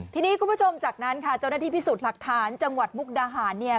ทีนี้คุณผู้ชมจากนั้นค่ะเจ้าหน้าที่พิสูจน์หลักฐานจังหวัดมุกดาหารเนี่ย